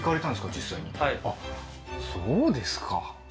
実際にはいあっそうですか